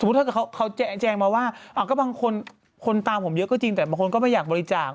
ถ้าเขาแจ้งมาว่าก็บางคนคนตามผมเยอะก็จริงแต่บางคนก็ไม่อยากบริจาค